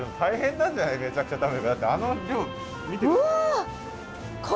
だってあの量見て下さい。